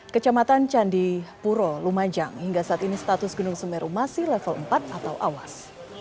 kecamatan candipuro lumajang hingga saat ini status gunung semeru masih level empat atau awas